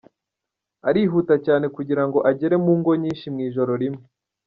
Arihuta cyane kugira ngo agere mu ngo nyinshi mu ijoro rimwe.